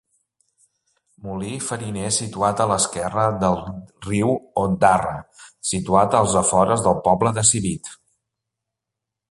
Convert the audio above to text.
Molí fariner situat a l’esquerra del riu Ondara, situat als afores del poble de Civit.